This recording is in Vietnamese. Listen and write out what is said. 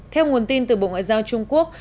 theo nguồn tin từ bộ ngoại giao trung quốc